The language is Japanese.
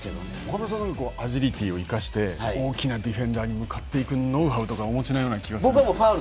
岡村さんはアジリティーを生かして大きなディフェンダーに向かっていくノウハウとかをお持ちなような気がします。